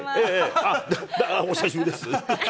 あっ、お久しぶりです。